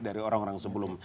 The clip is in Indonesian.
dari orang orang sebelum